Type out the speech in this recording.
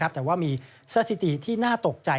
แต่ว่ามีสถิติที่น่าตกใจ